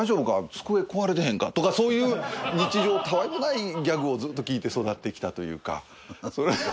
机壊れてへんか？とかそういう日常他愛もないギャグをずっと聞いて育ってきたというか。